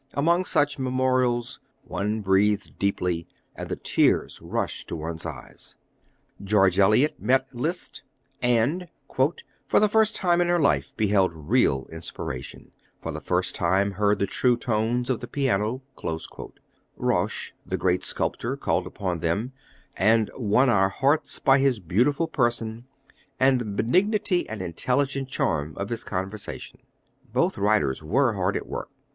Among such memorials one breathes deeply, and the tears rush to one's eyes." George Eliot met Liszt, and "for the first time in her life beheld real inspiration, for the first time heard the true tones of the piano." Rauch, the great sculptor, called upon them, and "won our hearts by his beautiful person and the benignant and intelligent charm of his conversation." Both writers were hard at work.